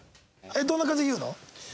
どんな感じで言うの？